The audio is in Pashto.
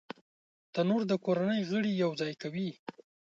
تنور د کورنۍ غړي یو ځای کوي